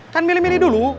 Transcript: kan milih milih dulu